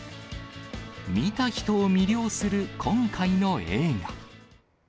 見た人を魅了する今回の映画。